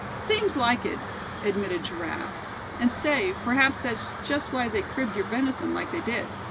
"Seems like it," admitted Giraffe; "and say, p'raps that's just why they cribbed your venison like they did.